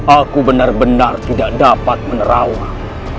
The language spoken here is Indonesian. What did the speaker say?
aku benar benar tidak dapat menerawang